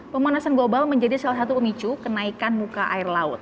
pemanasan global menjadi salah satu pemicu kenaikan muka air laut